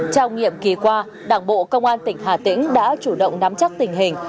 trong nhiệm kỳ qua đảng bộ công an tỉnh hà tĩnh đã chủ động nắm chắc tình hình